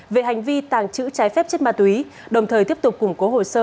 về hành vi tàng trữ trái phép chất ma túy đồng thời tiếp tục củng cố hồ sơ